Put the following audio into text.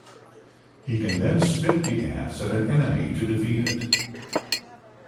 He can then spit the ants at an enemy to defeat it.